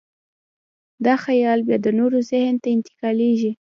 دا خیال بیا د نورو ذهن ته انتقالېږي.